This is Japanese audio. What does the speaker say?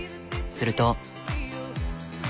すると。